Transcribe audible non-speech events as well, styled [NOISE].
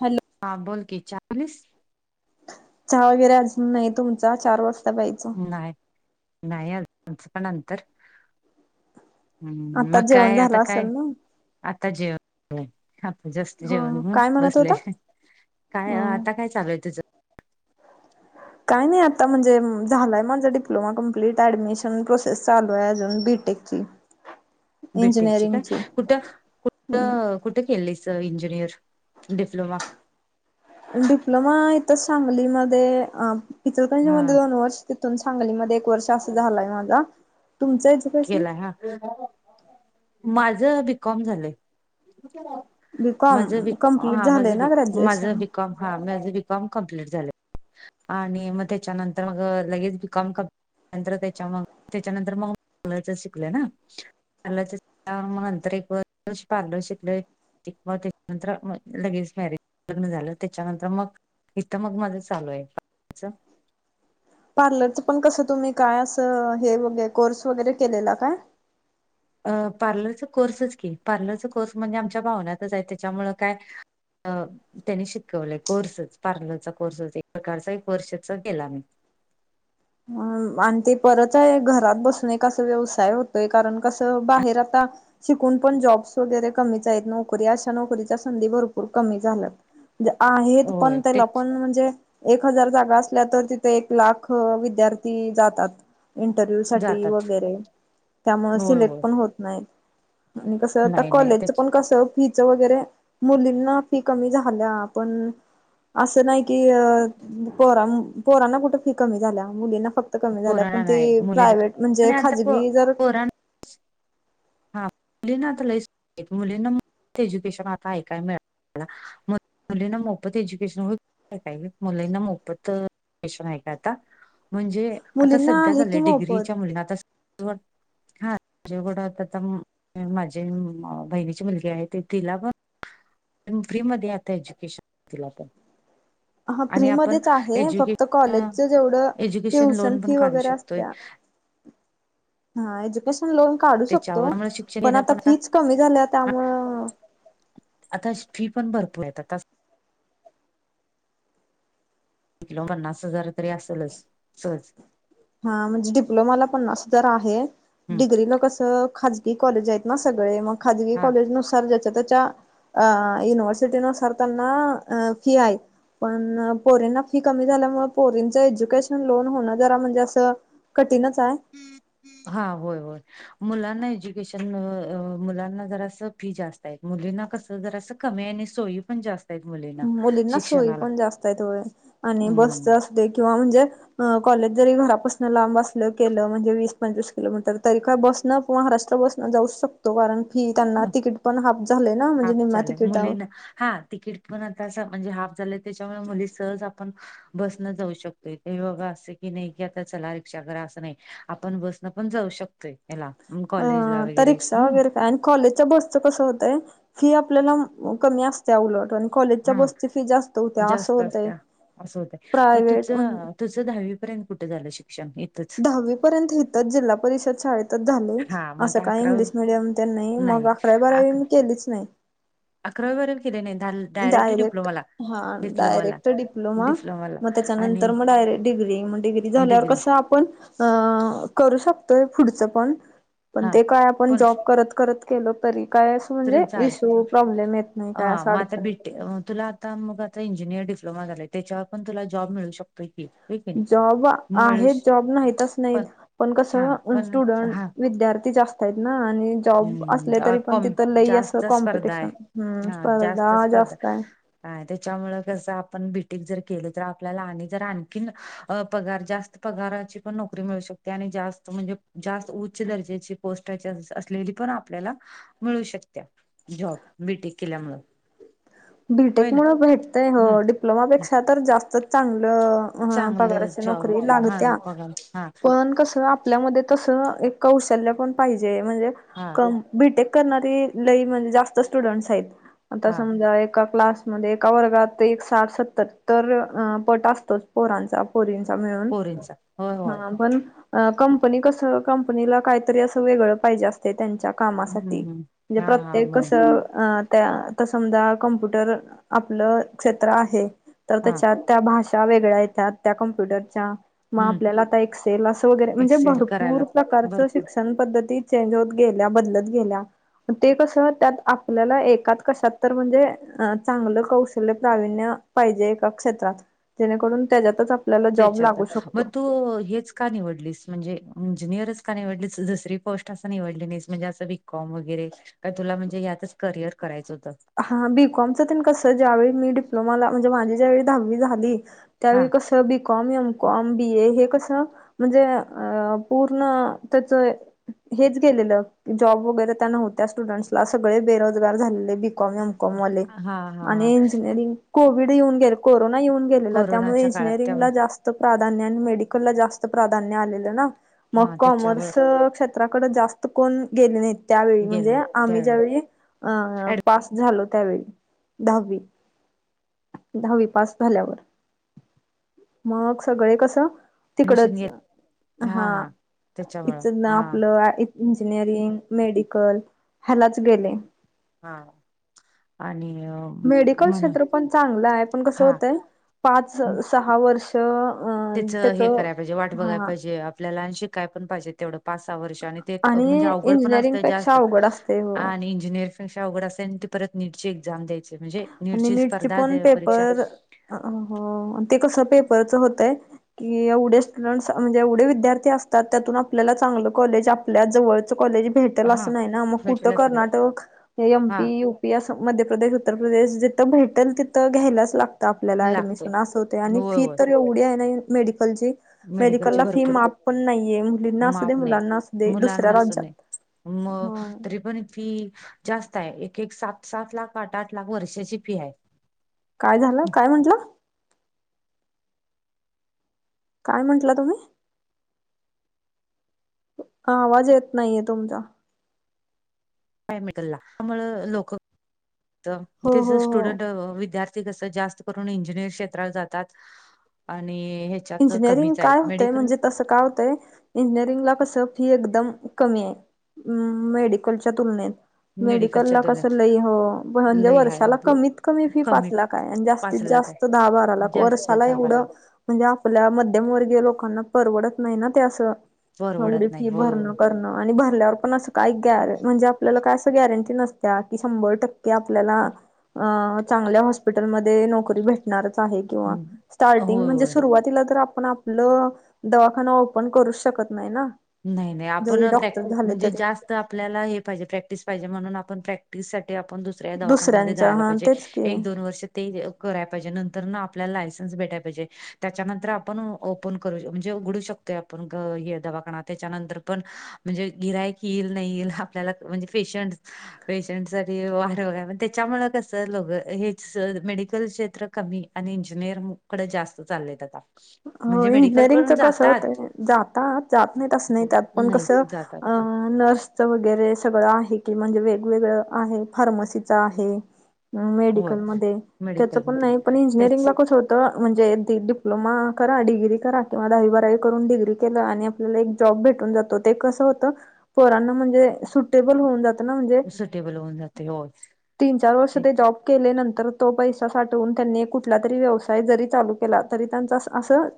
Hello हा बोलकी [INAUDIBLE] चास चहा वगैरे अजून नाही तुमचा चार वाजता [INAUDIBLE] पाहियचा नाही नाही आमचं पण नंतर हम्म मग आत्ताच जेवण काय आता झालं असेल काय ना आता जेव हो आपण जास्त हो जेवण काय म्हणत बसले होता काय हो. आता काय चालूय तुझं काय नाही आता म्हणजे झालंय माझा डिप्लोमा कंप्लीट ऍडमिशन प्रोसेस चालू आहे अजून बीटेक ची भेटाची काय कुठं कुठ कुठे केलीच इंजिनियर डिप्लोमा डिप्लोमा इथं सांगलीमध्ये पचलकंजी हा मध्ये दोन वर्ष तिथून सांगलीमध्ये एक वर्ष असं झालंय माझा तुमचच केला हा माझ बीकॉम झालंय माझं [INAUDIBLE] बीकॉम बीॉ कंप्लीट हा झालंय माझं ना बी माझं ग्रॅज्युएशन. बीिकॉम हा [INAUDIBLE] मीझ बीकॉम कम्प्ललीट झाले आणि मग त्याच्यानंतर मग लगेच बी कॉम [INAUDIBLE] क नंतर त्याच्या मग त्याच्यानंतर मग पाच शिकलंय ना पच मग नंतर एक व पार्लर शिकल [INAUDIBLE] म त्याच्यानंतर मग लगेच मॅरेज लग्न झालं त्याच्यानंतर मग इथं मग माझं चालू आहे पार्लरच पण कसं तुम्ही काय असं हे व कोर्स वगैरे केलेला काय अ पार्लरचा कोर्सच की पार्लरचा कोर्स म्हणजे आमच्या भावनातच आहे त्याच्यामुळ काय अ त्यांनी शिकवलंय कोर्सच पार्लरचा कोर्सच एक प्रकारचा कोर्सेस गेला म अ आणि ते परत आहे घरात बसून एक असं व्यवसाय होतोय कारण कसं बाहेर आता शिकून पण जॉब्स वगैरे कमीच आहेत नोकरी अशा नोकरीच्या संधी भरपूर कमी झाल्या हे पण होय त्याला तेच पण म्हणजे एक हजार जागा असल्या तर तिथे एक लाख विद्यार्थी जातात इंटरव्ह्यू साठी जातात वगैरे त्यामुळे होय सिलेक्ट होय पण होत नाहीत आणि कसं आ नाही नाही कॉलेजचं त्याच्या पण कसं फीच वगैरे मुलींना फी कमी झाल्या पण असं नाही की अ पोरा पोरांना कुठे फी कमी झाल्या मुलींना फक्त कमी झाल्या पोरांना पण ती नाही मुलींना प्रायव्हेट म्हणजे आणि आता प खाजगी जर पोरांना हा मुलीं आता लई मुलींना एज्युकेशन आता ऐकाय मिळ मली ना मोफत एज्युकेशन काही मुलांना मोफतशन आहे का आता म्हणजे आता मुलींना सध्या झा आहे की आलं मोफत डिग्रीच्या मुली आता हाजड आता माझी बहिणीची मुलगी आहे ते तिला पण फ्री मध्ये आता एज्युकेशन तिला पण. हा आणि आपण फ्रीमध्येच आहे एज्युकेश फक्त कॉलेजच जेवढं एज्युकेशन ट्युशन लोन पण फी काढू वगैरे शकतोय, असत्या हा एज्युकेशन लोन काढू शकतो त्याच्यावर त्यामुळे शिक्षण पण घेणं आता फीच कमी झाल्या त्यामुळ आता फी पण भरपूर आहेत आता बिलो पन्नास हजार तरी आसलच सहज. हा म्हणजे डिप्लोमाला पन्नास हजार आहे, हम्म डिग्री ला कसं खाज गी कॉलेज आहेत ना सगळे मग खाजगी हा कॉलेज नुसार ज्या ततेच्या अ युनिव्हर्सिटी नुसार त्यांना अ फी आहे. पण पोरींना फी कमी झाल्यामुळ पोरींच एज्युकेशन लोन होणं जरा म्हणजे आ चं कठीणच हाय हा होय होय. मुलांना एज्युकेशन मुलांना जरास फी जास्त आहेत मुलीना कस जरासं कमी आहे आणि सोई पण जा मुलींना सोयी पण जास्त आहेत होय आणि बस हम्म च दे किंव्हा म्हणजे कॉलेज जरी घरापसन लांब आसल केल म्हणजे वी पंचवीस किलोमीटर तरी काय बस न महाराष्ट्र बसन जाऊ शकतो कारण फी त्यांना तिकीट पण हाफ झालय ना म्हणजे हाफ निम्या झालंय तिकिटावर. मुलींना हा तिकीट पण आतास म्हणजे हाफ झालंय तेच्यामुळ मुली सहज आपण बसन जाऊ शकतोय की बाबा आसं की नाही की आता चला रिक्षा करा आसं नाही आपण बसन पण जाऊ शक तो हेला अ आता रिक्षा वगैरे काय आणि कॉलेजच्या बसचं कसं होतय फी आपल्याला कमी आस त्या उलट आणि कॉलेजच्या हा बसची फी जास्त होत्या आसं जास्त होतय असत्या असं होतय मग प्रायवेट म्हण तुझं तुझं दहावीपर्यंत कुठ झालं शिक्षण हे? दहावी पर्यंत हिथ जिल्हा परिषद शाळेत. इथच झालय हा मग ते आसं काय अकरावी इंग्लिश मिडियम तेन नाही मग अकरावी बारावी मी केलीच नाही. अकरावी पर्यंत केले नाही दा डायरेक्ट डिप्लोमाला हा डिप्लोमाला डायरेक्ट डी प्लोमा डिप्लोमाला म आणि तेच्यांनंतर म डायरेक्ट डिग्री म डिग्री झाल्यावर कसं पण अ करू शकतोय पुढच पण पण हा ते काय आपण पण जॉब करत करत केलो तरी काय आसं म्हणजे तरी चालत इश्यू प्रॉब्लेम येत नाही काय हा आसं मग आता बीटे आडचणी तुला आता मग आता इंजिनियर डिप्लोमा झालाय त्याच्यावर पण तुला जॉब मिळू शक जॉब आहेत श- जॉब नाहीत आस नाहीत पण हा कसं पण स्टुडंट हा विद्यार्थी जास्त आहेत ना आणि जॉब हम्म, आसले अ, तरी पण कॉम तिथं लई आस जास्त स्पर्धा आहे कॉम्पिटिशन हम्म हा जास्त स्पर्धा जास्त काय? हा तेच्यामुळ कसं आपण बी. टेक. जर केलं तर आपल्याला आणि जर आणखीन अ पगार जास्त त पगाराची पण नोकरी मिळू शकते आणि जास्त म्हणजे जास्त उच्च दर्जेची पोस्टाची आ सलेली पण आपल्याला मिळू शकत्या जॉब बी. टेक, केल्यामुळ. बी. टेक, मूळ भेटतंय हो डिप्लोमापेक्षा तर जास्तच चांगलं हा चांगलं पगाराची जॉब नोकरी आपल्या हा लागत्या पगार हा पण कस आ आपल्यामध्ये तसं एक कौशल्य पण पाहिजे, म्हणजे हा. बी. टेक, करणारी लई म्हणजे जास्त स्टुडंट्स हाईत आता हा समजा ए का क्लासमध्ये एका वर्गात एक साठ सत्तर तर अ पट आसतोच, पोरांचा, पोरींचा मिळून, पोरींचा होय होय हा पण कंपनी कसं, कंपनीला काहीतरी असं वेगळं पाहिजे असते त्यांच्या कामासाठी, हम्म म्हणजे हा हा प्रत्येक कस म्हणून त्या आता समजा कम्प्युटर आपलं क्षेत्र आहे, तर हा त्येच्यात त्या भाषा वेगळ्या येतात त्या कम्प्युटरच्या. म, हम्म आपल्याला आता एक्सेल असं वगैरे म्हणजे एक्सेल भरपूर करायला पण प्रकारच भरपूर शिक्षण पद्धतीत चेंज होत गेल्या, बदलत गेल्या ते कसं त्यात आपल्याला एकात कशात तर म्हणजे अ, चांगलं कौशल्य प्रावीण्य पाहिजे एका क्षेत्रात, जेणेकरून त्याच्यातच आपल्याला जॉब लागू तेच्यातच म शकतो तू हेच का निवडलीस म्हणजे इंजिनियरच का निवडलीस दुसरी पोस्ट असं निवडली नाहीस म्हणजे असं बीकॉम वगैरे. काय तुला म्हणजे यातच करिअर करायचं हुतं. हा बीकॉमचं कसं ज्यावेळी मी डिप्लोमाला म्हणजे माझी ज्यावेळी दहावी झाली हा त्यावेळी कसं B com M com BA हे कस म्हणजे अ पूर्ण त्याचं हेच गेलेलं जॉब वगैरे त्या नव्हत्या स्टुडंटसला सगळे बेरोजगार झालेले. बी कॉम एम कॉम वाले हा हा हा. आणि इंजिनीरिंग कोविड येऊन गेलं कोरोना येऊन गेला गेला त्यामुळे कोरोनाच्या काळात इंजिनीरिंग त्यामुळे ला जास्त प्राधान्य आणि मेडिकलला जास्त प्राधान्य आलेलं ना मग हा त्याच्यावर कोमर्स क्षे त्राकडे जास्त कोण गेले नाहीत त्यावेळी म्हणजे गेल आम्ही त्यावेळी ज्यावेळी अं पास झालो त्यावेळी दहावी. दहावी पास झाल्यावर मग सगळे कसं. ऍडमिशन तिकडच घेत हा इच ना आपलं इच इंजिनिअरिंग मेडिकल ह्यलाच गेले. हा आणि. मेडिकल म्हणून क्षेत्र पण चांगलं हाय पण कसं हा होतय पाच सहा वर्ष. तिचं त्याच हे कराय पाहिजे वाट बघाय हा पाहिजे आपल्याला आणि शिकाय पण पाहिजे तेवढं. पाच सहा वर्ष आणि ते म्हणजे अवघड पण इंजिनिअरिंग असतय पेक्षा जास्त अवघड असते हो आणि इंजिनिअर अवघड असतय आणि परत नीटची एक्झाम द्यायची म्हणजे आणि नीटची नीटचे स्पर्धा पण द्या परीक्षा. पेपर हो ते कसं पेपरचं होतंय कि एवढे स्टुडंट्स म्हणजे एवढे विद्यार्थी असतात त्यातून आपल्याला चांगलं कॉलेज आप ल्या जवळच कॉलेज भेटंल हा असं नाही ना मग कुठं भेटला असं नाही कर्नाटक हे एम. हा पी यू. पी अस मध्य प्रदेश उत्तर प्रदेश जिथं भेटल तिथं घ्यायलाच लागत. तर आपल्याला लागतोय ॲडमिशन असं होतय आणि होय फी होय तर एवढी आहे ना ही मेडिकलची. मेडिकलची मेडिकलला फी भरपूर माफ पण नाहीये मुलींना असू दे मुलांना असू दे दुसऱ्या राज्यात. मगं तरीपण फी जास्त हाय एक एक सात सात लाख आठ आठ लाख वर्षाची फी हाय काय झालं काय म्हंटला? काय म्हंटला तुम्ही? आवाज येत नाहीये तुमचा. मेडिकलला त्यामुळं लोक हो हो ज हो स्टुडंट विद्यार्थी कस जास्त म्हणून इंजिनिअर क्षेत्रात जातात आणि हे इंजिनिअरिंग काय होतय म्हणजे तसं काय होतंय इंजिनिअरिंगला कसं फी एकदम कमी आहे मेडिकलच्या तुलनेत मेडिकल मेडिकलच्या ला तुलनेत कस लई हो म्हणजे लय हाय वर्षाला ब कमीत कमी फी पाच लाख हाय आणि पाच जास्तीत लाख जास्त आहे दहा बारा लाख जास्त वर्षाला दहा बारा एवढं म्हणजे आपल्या मध्यमवर्गीय लोकांना परवडत नाही ना ते असं एवढी परवडत नाही फी होय भरण होय करण. आणि भरल्यावर पण असं काही गॅर म्हणजे आपल्याला काय अस गॅरंटी नसत्या कि शंभर टक्के आपल्याला. अ चांगल्या हॉस्पिटलमध्ये नोकरी भेटणार आहे किंवा स्टिंग होय म्हणजे होय असं. सुरवातीला तर आपण आपलं दवाखाना ओपन करू शकत नाही ना. नाही नाही आपण जरी प्रॅक्टि डॉक्टर झाले म्हणजे तरी जास्त आपल्याला हे पाहिजे प्रॅक्टिस पाहिजे म्हणून आपण प्रॅक्टिससाठी. ते दुसऱ्या दवाखान्यामध्ये दुसऱ्यांच्या हा पाजे तेच की एक दोन वर्ष. ते हे कराय पाहिजे नंतर आपल्याला लायसन्स भेटाय पाहिजे त्याच्यानंतर आपण ओपन करू म्हणजे उघडू शकतो. ते आपण ग ये दवाखानात. त्याच्यानंतर पण म्हणजे गिरायक येईल नाहील आपल्याला म्हणजे पेशंट. पेशंट सा वार त्याच्यामु कस लो हेच मेडिकल क्षेत्र कमी. आणि इंजिनिअरकडे जास्त चाललेत आता. हो म्हणजे मेडिकल इंजिनिअरिंगच पण कसत जातात जाता जात नाही तसं प- नाही त्यात पण नाही कसं जातात. अ. नर्सच वगैरे सगळं आहे कि म्हणजे वेगवेगळं आहे फार्मसीच आहे. मग होय मेडिकल मध्ये त्याचं पण मेडिकलमध्ये नाही पण तेच इंजिनिअरिंगला कसं होतं म्हणजे डी डिप्लोमा. करा डिग्री करा किंवा दहावी बारावी करून डिग्री केलं आणि आपल्याला एक जॉब भेटून जातो ते कसं होतं. पोरांना म्हणजे सुटेबल होऊन जात. सुटेबल होऊन जाते हो. तीन चार वर्ष ते जॉब केले नंतर तो पैसा साठवून त्यांनी कुठला तरी व्यवसाय जरी चालू. केला तरी त्यांच असं असं.